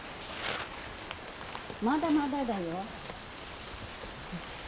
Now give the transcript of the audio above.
まだまだだよ。